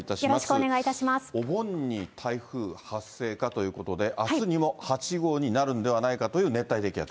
お盆に台風発生かということで、あすにも８号になるんではないかという熱帯低気圧。